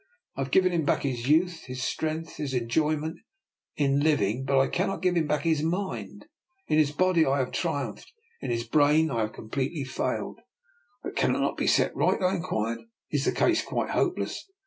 I have given him back his youth, his strength, his enjoyment in living, but I cannot give him back his mind. In his body I have triumphed; in his brain I have completely failed." "But cannot this be set right?" I in quired. " Is the case quite hopeless?